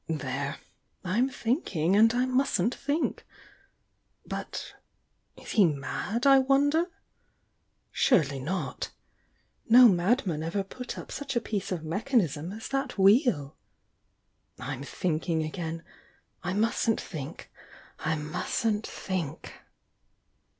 1 here!— I m thinking and I mustn't think! But— 13 he mad, I wonder? Surely not! No madman over put up such a piece of mechanism as that Wheel! I'm thinking again!— I mustn't think!— I mustn't think!"